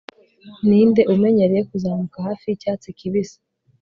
Ninde umenyereye kuzamuka hafi yicyatsi kibisi